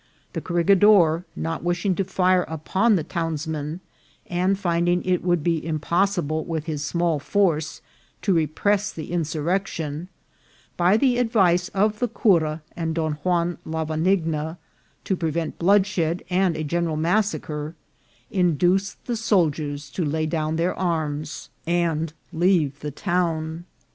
The cor regidor, not wishing to fire upon the townsmen, and finding it would be impossible with his small force to repress the insurrection, by the advice of the cura and Don Juan Lavanigna, to prevent bloodshed and a gen eral massacre, induced the soldiers to lay down their 18 206 INCIDENTS OF TRAVEL. arms and leave the town.